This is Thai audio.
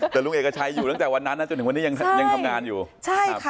แต่ลุงเอกชัยอยู่ตั้งแต่วันนั้นนะจนถึงวันนี้ยังยังทำงานอยู่ใช่ครับ